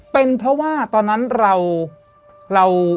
เป็นเพราะว่าตอนนั้นเรา